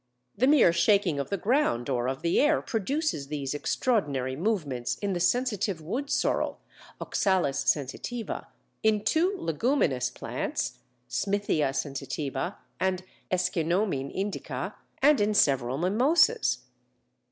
The mere shaking of the ground or of the air produces these extraordinary movements in the sensitive Woodsorrel (Oxalis sensitiva), in two Leguminous plants (Smithia sensitiva and Aeschynomene indica), and in several Mimosas.